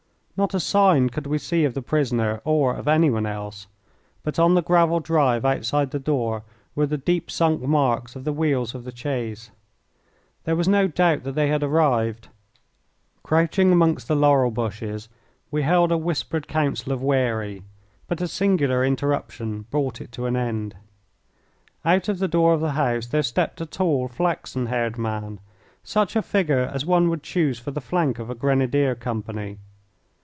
Not a sign could we see of the prisoner or of anyone else; but on the gravel drive outside the door were the deep sunk marks of the wheels of the chaise. There was no doubt that they had arrived. Crouching among the laurel bushes we held a whispered council of wary but a singular interruption brought it to an end. Out of the door of the house there stepped a tall, flaxen haired man, such a figure as one would choose for the flank of a Grenadier company.